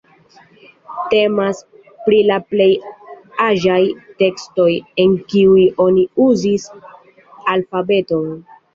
Temas pri la plej aĝaj tekstoj, en kiuj oni uzis alfabeton.